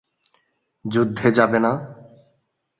যুদ্ধে যাবে না?